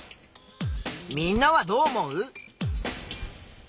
みんなはどう思う？